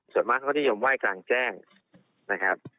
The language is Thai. ส่วนมากเขาก็นิยมไหว้กลางแจ้งนะครับ